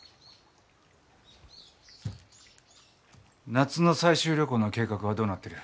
夏の採集旅行の計画はどうなってる？